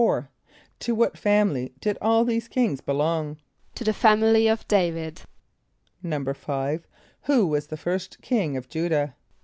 = To what family did all these kings belong? =To the family of D[=a]´vid.= =5.= Who was the first king of J[=u]´dah?